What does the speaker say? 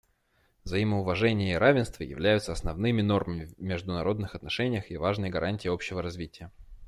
Взаимоуважение и равенство являются основными нормами в международных отношениях и важной гарантией общего развития.